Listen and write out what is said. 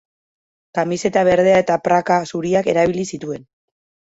Kamiseta berdea eta praka zuriak erabili zituen.